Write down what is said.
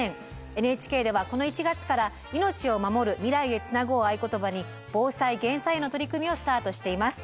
ＮＨＫではこの１月から「命をまもる未来へつなぐ」を合言葉に「防災・減災」への取り組みをスタートしています。